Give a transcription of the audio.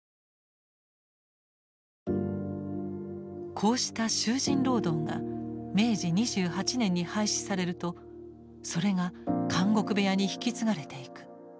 こうした囚人労働が明治２８年に廃止されるとそれが「監獄部屋」に引き継がれていく。